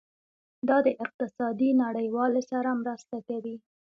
دا د اقتصادي نږدیوالي سره مرسته کوي.